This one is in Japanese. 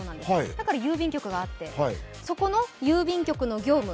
だから郵便局があって、そこの郵便局の業務。